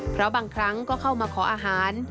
เพราะบางครั้งก็เข้ามาขออาหาร